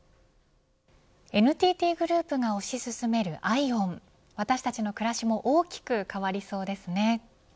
ＮＴＴグループが推し進めるＩＷＯＮ私たちの暮らしも大きく変わりそうですね。